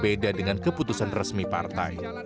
beda dengan keputusan resmi partai